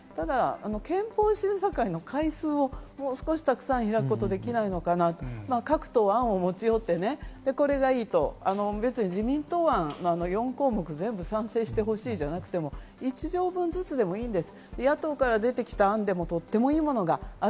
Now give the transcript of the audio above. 憲法審査会の回数をもう少したくさん開くことはできないかなと、各党で案を持ち寄って自民党案４項目、全部賛成してほしいんじゃなくても、１条ずつでもいいんです。